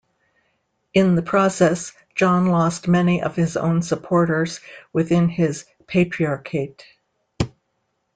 In the process, John lost many of his own supporters within his patriarchate.